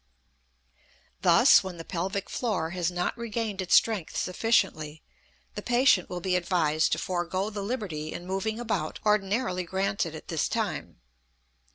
Thus, when the pelvic floor has not regained its strength sufficiently, the patient will be advised to forego the liberty in moving about ordinarily granted at this time.